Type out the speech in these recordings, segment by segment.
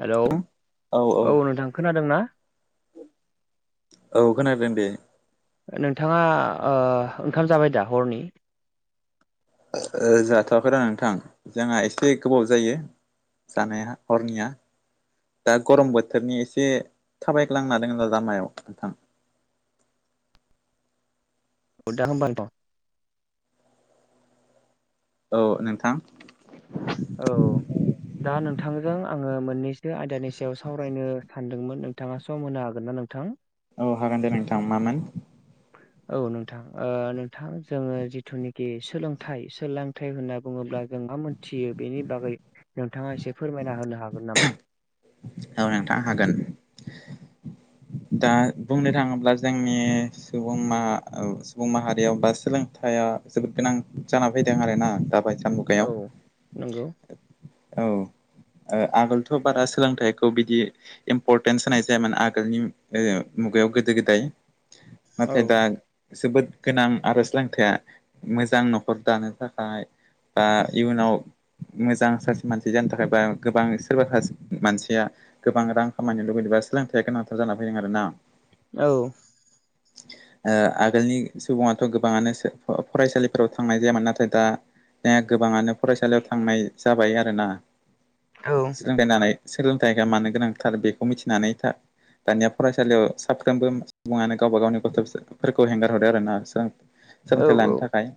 Hello औ नोंथां खोनादोंना? औ खोनादों दे। नोंथाङा ओ ओंखाम जाबाय दा हरनि? ओ जाथ'वाखै र' नोंथां जोंहा एसे गोबाव जायो। जानाया हरनिया। दा गरम बोथोरनि एसे थाबायग्लांना दों लामायाव नोंथां। [unintelligible] औ नोंथां। औ दा नोंथांजों आङो मोननैसो आयदानि सायाव सावरायनो सानदोंमोन नों थाङा सम होनो हागोन ना नोंथां? औ हागोन दे नोंथां मामोन? औ नोंथां ओ नोंथां जोङो जिथुनिखि सोलोंथाइ सोलोंथाइ होनना बुङोब्ला जों मा [unintelligible] थियो बेनि बागै नोंथाङा एसे फोरमायना होनो हागोन नामा? औ नोंथां हागोन। दा बुंनो थाङोब्ला जोंनि सुबुं मा सुबुं माहारियाव बा सोलोंथाइया जोबोद गोनां जाना फैदों आरो ना दा बायसा मुगायाव औ नंगौ औ आगोलथ' बारा सोलोंथाइखौ बिदि इम्परटेन्स होनाय जायामोन आगोलनि नो जोङो मुगायाव गोदो गोदाय औ नाथाय दा जोबोद गोनां आरो सोलोंथाया मोजां न'खर दानो थाखाय दा इयुनाव मोजां सासे मानसि जानो थाखाय बा गोबां सोरबा ससे मानसिया गोबां रां खामायनो लुुबैदोंबा सोलोंथाइया गोनांथार जाना फैदों आरो ना? औ [inaudible] ओ आगोलनि सुबुङाथ' गोबाङानो फरायसालिफोराव थांनाय जायामोन नाथाय दा दा गोबाङानो फरायसालियाव थांनाय जाबाय आरोना सोलोंथायनानै सोलोंथाइया मानो गोनांथार बेखौ मिथिनानै था दानिया फरायसालियाव साफ्रोमबो सुबुङानो गावबा गावनि गथ'फोरखौ हेंगार हरो आरो ना सो औ सोलोंथाइ औ लानो थाखाय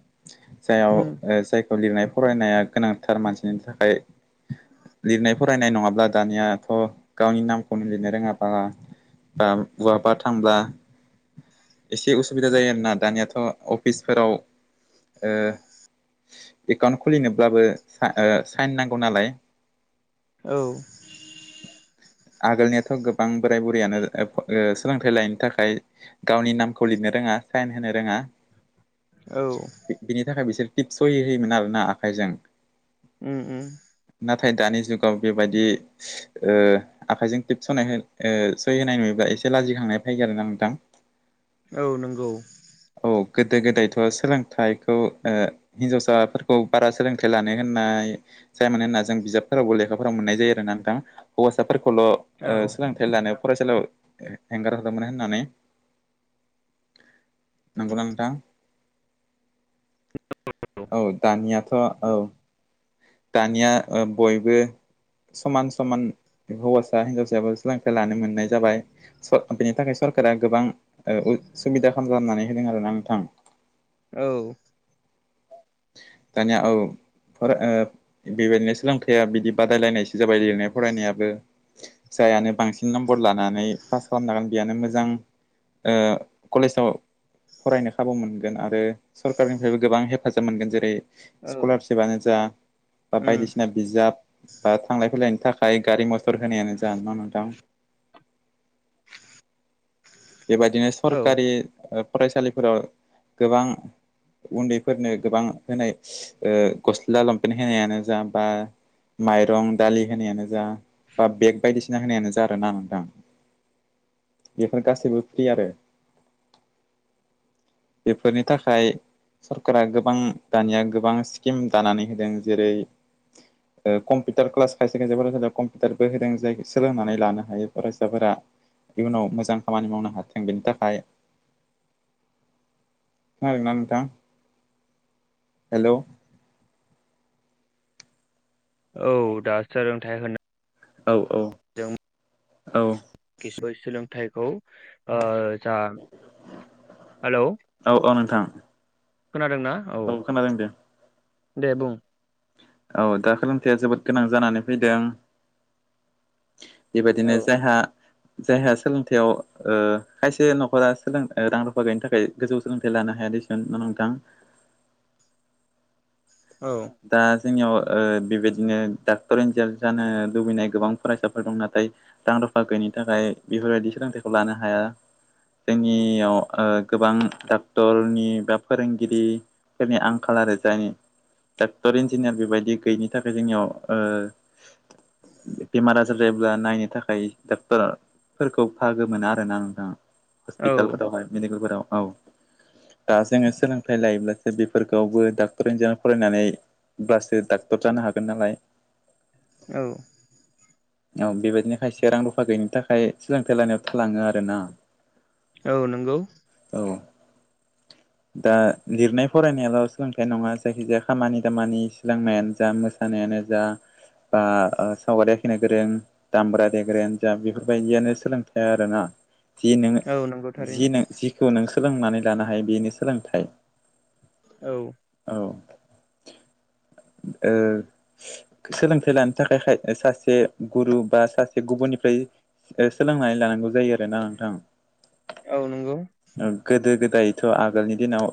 जायाव उम जाय लिरनाय फरायनाया गोनांथार मानसिनि थाखाय लिरनाय फरायनाय नङाब्ला दानियाथ' गावनि नामखौनो लिरनो रोङाबा बा बहाबा थांब्ला एसे उसुबिदा जायो आरोना दानियाथ' अफिसफोराव ओ एकाउन्ट खुलिनोब्लाबो सा ओ साइन नांगौ नालाय। औ। आगोलनियाथ' गोबां बोराय बु रियानो सोलोंथाइ लायनि थाखाय गावनि नामखौ लिरनो रोङा साइन होनो रोङा। औ। बि-बिनि थाखाय बिसोर टिपस सय होयोमोन आर ना आखाइजों। ओम ओम। नाथाय दानि जुगाव बेबायदि ओ आखाइजों थिबस'नाय हो ओ सहि होनाय नुयोब्ला एसे लाजिखांनाय फैगोन आरो ना नोंथां। औ नोंगौ। औ गोदो गोदायथ' सोलोंथाइखौ ओ हिनजावसाफोरखौ बारा सोलोंथाइ लानो होननाय जाय माने ना जों बिजाबफोरावबो लेखाफोराव मोननाय जायो आरो ना नोंथां हौवासाफोरखौल' औ सोलोंथाइ लानायाव फरायसालियाव हेंगार हरोमोन होननानै। नोंगौना नोंथां? [unintelligible] औ दानियाथ' औ। दानिया ओ बयबो समान समान हौवासा हिनजावसायाबो सोलोंथाइ लानो मोननाय जाबाय। स बेनि थाखाय सरकारा गोबां सुबिदा खालामनानै होदों आरोना नोंथां। औ। दानिया औ फरा ओ बेबायदिनो सोलोंथाइया बिदि बादायलायनाय जाबाय लिरनाय फरायनायाबो जायानो बांसिन नम्बर लानानै पास खालामनांगोन बेयानो मोजां ओ कलेजाव फरायनो खाबु मोनगोन आरो सरकारनिफ्रायबो गोबां हे फाजाब मोनगोन जेरै औ स्कलारशिपानो जा बा उम बायदिसिना बिजाब बा थांलाय फैलायनि थाखाय गारि मथर होनायानो जानाय ना नोंथां? बेबायदिनो औ सरकारि फरायसालिफोराव गोबां उन्दैफोरनो गोबां होनाय ओ गस्ला लंपेन्ट होनायानो जा बा माइरं दालि होनायानो जा बा बेग बायदिसिना होनायानो जा आरोना नोंथां। बेफोर गासैबो फ्रि आरो। बेफोरनि थाखाय सरकारा गोबां दानिया गोबां स्किम दानानै होदों। जेरै कम्पिउटार क्लास खायसे खायसे फरायसालि कम्पिउटारबो होदों जाय सोलोंनानै लानो हायो फरायसाफोरा इयुनाव मोजां खामानि मावनो हाथों बेनि थाखाय खोनादों ना नोंथां हेल'। औ दा सोलोंथाइ होनो औ औ जों औ। [unintelligible] सोलोंथाइखौ जा हेलौ! औ औ नोंथां। खोनादों ना? औ खोनादों दे। बुं औ दा सोलोंथाया जोबोद गोनां जानानै फैदों। औ बेबायदिनो जायहा जायहा सोलोंथाययाव खायसे न'खरा सोलों रां रुफा गैयनि थाखाय गोजौ सोलोंथाइ लानो हाय नोंथां। औ। दा जोंनियाव बेबायदिनो डाक्टर इन्जिनिार जानो लुबैनाय गोबां फरायसाफोर दं। नाथाय दां रफा गैयनि थाखाय बेफोरबायदि सोलोंथाइखौ लानो हाया। जोंनियाव गोबां डक्टरनि बा फोरोंगिरि जोंनि आंखाल आरो जायनि डाक्टर इन्जिनियार बेबायदि गैयिनि थाखाय जोंनियाव ओ बेमार आजार जायोब्ला नायनो थाखाय डक्टर फोरखौ बाहागो मोना आरोना नोंथाङा औ हस्पितालफोरावहाय मेडिकेलफोराव औ। दा जोङो सोलोंथाइ लायोब्लासो बेफोरखौबो डाक्टर इन्जिनार फराय। फैनानैब्लासो डाक्टर जानो हागोन नालाय। औ। [inaudible] औ बेबायदिनो खायसे रां रुफा थाखाय सोलोंथाइ लानायाव थालाङो आरो ना। औ नंगौ। औ दा लिरनाय फरायनायाल' सोलोंथाइ नङा जायखि जाया खामानि दामानि सोलोंनायानो जा मोसानायानो जा बा सावगारि आखिनो गोरों दामब्रा देग्रायानो जा बेफोरबायदियानो सोलोंथाया आरोना। जि नोङो औ नंगौ जि थारैनो नों जिखौ नों सोलोंनानै लानो हायो बेनो सोलोंथाइ औ। औ। ओ। सोलोंथाइ लानो थाखायाय सासे गुरु बा सासे गुबुननिफ्राय। सोलोंनानै लानांगौ जायो आरोना नोंथां। औ नंगौ गोदो गोदायथ' आगोलनि दिनाव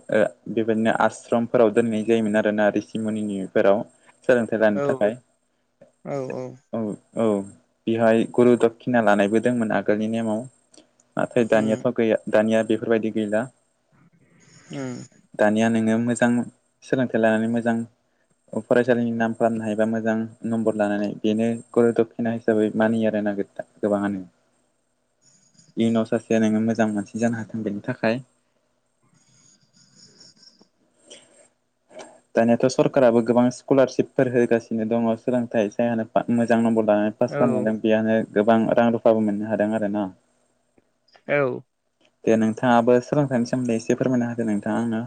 बेबायदिनो आश्रमफोराव दोनहैनाय जायोमोन आरो। ना रिसि मनिनि फोराव सोलोंथाइ लानो औ थाखाय औ औ बेहाय गुरु दक्षिना लानायबो दंमोन आगोलनि नेमाव नाथाय उम दानियाथ' गैया दानिया बेफोरबायदि गैला। उम दानिया नोङो मोजां सोलोंथाइ लानानै मोजां। फरायसालिनि नाम खालामनो हायोबा मोजां नम्बर लानो हाय बेनो गुरु दक्षिना हिसाबै मानियो आरो नागिर। गोबाङानो इयुनाव सासे नोङो मोजां मानसि जानो हाथों बेनि थाखाय दानियाथ' सरकाराबो गोबां स्कलारशिपफोर होगासिनो दङ सोलोंथाइ जायानो मोजां नम्बर लानानै पास औ खालामदों बेयानो गोबां रां रुफाबो मोननो हादों आरो ना औ दे नोंथाङाबो सोलोंथाइनि सोमोन्दै एसे फोरमायना होदो नोंथाङा आंनो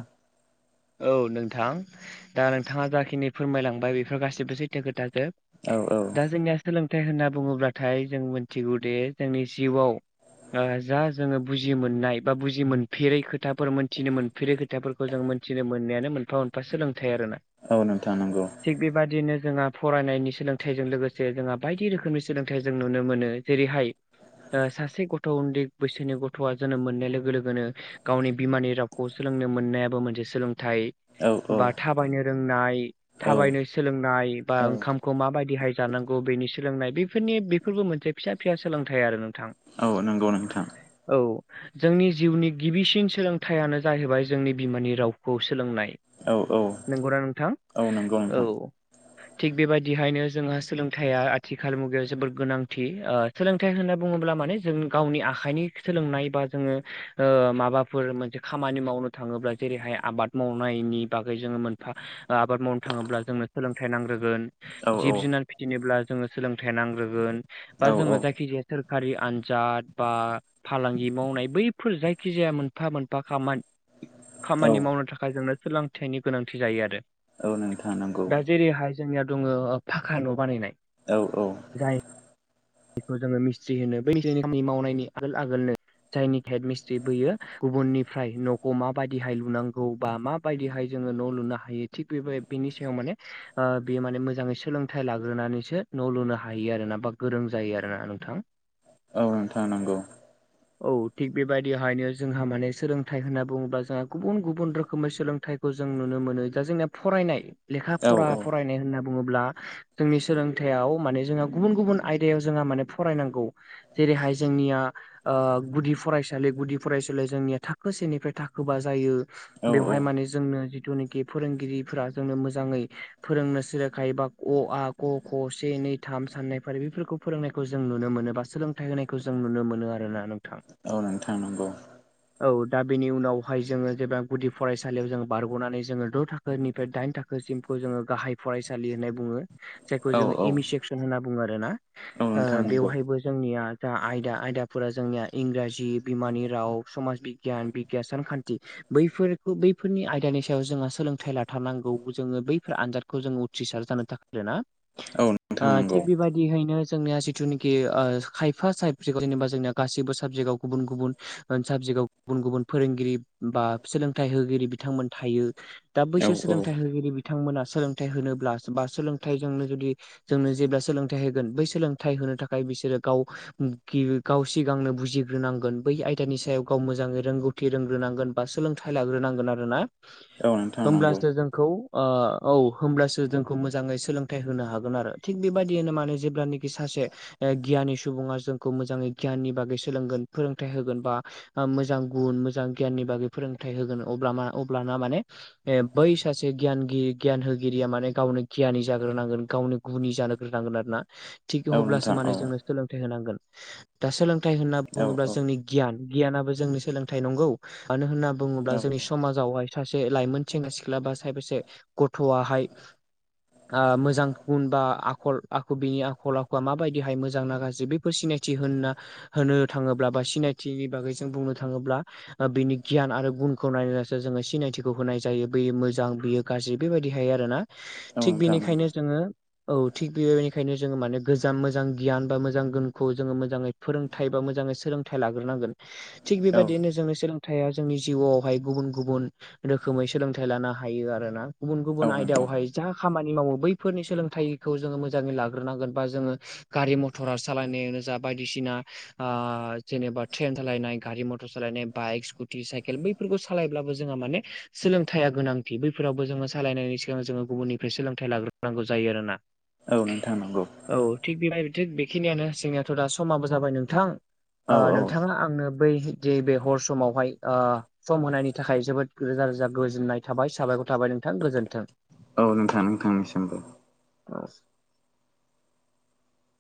औ नोंथां दा नोंथाङा जाखिनि फोरमायलांबाय बेफोर गाससिबो सैथो औ खोथाजोब दा औ जोंनिया सोलोंथाइ होनना बुङोब्लाथाय जों मिथिगौदिे जोंनि जिउआव जा जोङो बुजि मोननाय बा बुजि मोनफेरै खोथाफोर मोनथिनो मोनफेरै खोथाफोरखौ जों मिथिनो मोननायानो मोनफा मोनफा सोलोंथाइ आरोना औ नोंथां नंगौ थिग बेबदिनो जोंहा फरायनायनि सोलोंथाइजों लोगोसे जोंहा बायदि रोखोमनि सोलोंथाइ जों नुनो मोनो। जेरैहाय सासे गथ' उन्दै बैसोनि गथ'आ जोनोम मोननाय लोगो लोगोनो गावनि बिमानि रावखौ सोलोंनो मोननायाबो मोनसे सोलोंथ औ औ बा थायनो औ रोंनायायनो सोलोंनाय बा औ ओंखाम खौ माबायदिहाय जानांगौ बेनि सोलोंनाय बेफोरनि बेफोरबो मोनसे फिसा फिसा सोलोंथाइ आरो नोंथां औ नंगौ नोंथां औ जोंनि जिउनि गिबिसिन सोलोंथाइयानो जाहैबाय जोंनि बिमानि राव खौ सोलोंनाय औ औ नंगौना नोंथां औ नंगौ औ नोंथां थिग बेबायदिहायनो जोंहा सोलोंथाया आथिखाल मुगायाव जोबोर गोनांथि सोलोंथाइ होनना बुङोब्ला माने जों गावनि आखाइनि सोलोंनाय बा जोङो माबा फोर मोनसे खामानि मावनो थाङोब्ला जेरैहाया आबाद मावनायनि बागै जोङो मोनफा आबाद मावनो थाङोब्ला जोंनो सोलोंथाइ नांग्रोगोन औ औ जिब जुनार फिसिनोब्ला जोङो सोलोंथाइ नांग्रोगोन बा औ जोङो जायखि जाया सोर खारि आनजाद बा फालांगि मावनाय बैफोर जायखिजाया मोनफा मोनफा खामानि औ खामानि मावनो थाखाय जोंनो सोलोंथाइनि गोनांथि जायो आरो औ नोंथां नांगौ दा जेरैहाय जोंनियाव दङ फाखा न' बानायनाय औ-औ जाय बेखौ जोङो मिस्ट्रि होनो बैनिखखनि मावनायनि आगोल आगोलनो जायनि हेड मिस्ट्रि बैयो गुबुननिफ्राय न'खौ माबायदिहाय लुनांगौ बा मा बायदिहाय जोङो न' लुनो हायो थिग बे बेनि सायाव माने बेयो माने मोजाङै सोलोंथाइ लाग्रोनानैसो न' लुनो हायो आरो ना बा गोरों जायो आरोना नोंथां औ नोंथां नंगौ औ थिग बेबायदिहायनो जोंहा माने सोलोंथाइ होनना बुङोब्ला जोंहा गुबुन गुबुन रोखोमै सोलोंथाइ खौ जों नुनो मोनो दा जोंनिया फरायनाय लेखा औ फरा औ फरायनाय होनना बुङोब्ला जोंनि सोलोंथायाव माने जोंहा गुबुन गुबुन आय याव जोंहा माने फरायनांगौ जेरैहाय जोंनिया गुदि फरायसालि गुदि फरायसालिया जोंनिया थाखो सेनिफ्राय थाखोबा जायो औ बेवहाय माने जोंनो जिथुनाखि फोरोंगिरिफोरा जोंनो मोजाङै फोरोंनो सोलोखाय बा अ आ ग खौ से नै थाम साननै फारि बेफोरखौ खौ फोरोंनायखौ जों नुनो मोनो बा सोलोंथाइ होनायखौ जों नुनो मोनो आरोना नोंथां गनानै थांनांगौ औ दा बेनि उनावहाय जोङो जेबा गुदि फरायसालियाव जों बारग'नानै जोङो द' थाखो फोरनिफ्राय दाइन थाखोसिमखौ जोङो गाहाय फरायसालि होननाय बुङो जायखौ औ जोङो औ एम इ सेक्सन होनना बुङो आरोना औ नोंथां नंगौ बेवहायबो जोंनिया जा आयदा आयदाफोरा जोंनिया इंराजि बिमानि राव समाज बिगियान केसान खान्थि बैफोरखौ बैफोरनि आयदानि सायाव जोंहा सोलोंथाइ लाथारनांगौ जोङो बैफोर आनजाद जों उथ्रिसार जा औ नोंथां [unintelligible] नंगौ थिग बेबायदियैनो जोंनिया जिथुनिखि खायफा साबजेक्टआव जेनेबा जोंनिया गासिबो साबजेक्टआव गुबुन गुबुन साबजेक्ट गुबुन गुबुन फोरोंगिरि बा सोलोंथाइ होगिरि बिथांमोन थायो दा औ बैसोर औ सोलोंथाइ होगिरि बि बिथांमोना सोलोंथाइ होनोब्ला बा सोलोंथाइजोंनो जुदि जोंनो जेब्ला सोलोंथाइ बै सोलोंथाइ होनो थाखाय बिसोरो गाव गाव सिगांनो बुजिग्रोनांगोन बै आयदानि सायाव गाव मोजाङै रोंगौ थि रोग्रोनांगोन बा सोलोंथाइ लाग्रोनांगोन आरोना औ नोंथां नंगौ होमब्लासो जों खौ ओ औ होमब्लासो जोंखौ मोजाङै सोलोंथाइ होनो हागोन आरो थिग बेबायदिनो माने जेब्लानाखि सासे गियानि सुबुङा जोंखौ मोजाङै गियाननि बागै सोलोंगोन फोरोंथाइ होगोन बा मोजां गुन मोजां गियाननि बागै फोरोंथाइ होगोन अब्ला अब्लाना माने बै सासे गियानगिरि गियान होगिरिया माने गावनो गियानि जाग्रोनांगोन गावनो गुनि जानो होग्रोनांगोन आरोना थिग औ अब्लासो नोंथां औ माने जोंनो सोलोंथाइ होनांगोन दा सोलोंथाइ होनना औ बुङोब्ला जोंनि गियान गियानाबो जोंनि सोलोंथाइ नंगौ मानो होनना औ बुङोब्ला जोंनि समाज जिवावहाय सासे लाइमोन सेंग्रा सिख्ला बा सासे गथ'आहाय आ मोजां गुन बा आखल आ खल बिनि आखल आखुवा माबायदिहाय मोजां ना गाज्रि बेफोर सिनायथि होनना होनो थाङोब्ला बा सिनायथिनि बागै जों बुंनो थाङोब्ला बिनि गियान आरो गुनखौ नायनानैसो जोङो सिनायथिखौ होनाय जायो बैयो मोजां बेयो गाज्रि बेबायदिहाय आरोना औ थिग नोंथां नंगौ बेनिखायनो जोङो औ थिग बे खायनो जोङो माने गोजाम मोजां गियान बा मोजां गुनखौ जोङो मोजाङै फोरोंथाइ बा मोजाङै सोलोंथाइ लाग्रोनांगोन। [inaudible] थिग बेबायदिनो जोंनो सोलों थाइया जोंनि जिउआवहाय गुबुन गुबुन रोखोमै सोलोंथाइ लानो हायो आरोना गुबुन औ गुबुन नोंथां आयदायावहाय जा खामानि मावो बैफोरनि सोलोंथाइखौ जोङो मोजाङै लाग्रोनांगोन बा जोङो गारि मटरा सालायनायानो जा बायदिसिना ओ जेनेबा ट्रेन सालायनाय गारि मटर सालायनाय बाइक स्कुटि साइकेल बै फोरखौ सालायब्लाबो जोंहा माने सोलोंथाइया गोनांथि बैफोरावबो जोङो सालायनायनि सिगां जोङो गुबुननिफ्राय सोलोंथाइ लाग्रो नांगौ जायो आरोना औ नोंथां नंगौ औ थिग बेबाय थिग बेखिनियानो जोंनियाथ' दा समाबो जाबाय नोंथां औ ओ औ नोंथाङा आंनो बै जिदे बे हर समावहाय ओ सम होनायनि थाखाय जोबोद रोजा रोजा गोजोननाय थाबाय साबायखर थाबाय नों थां गोजोनथों औ नोंथां नोंथांनिसिमबो औ